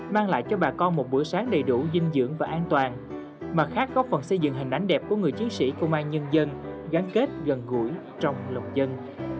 mang lại cho bà con một buổi sáng đầy đủ dinh dưỡng và an toàn mặt khác góp phần xây dựng hình ảnh đẹp của người chiến sĩ công an nhân dân gắn kết gần gũi trong lòng dân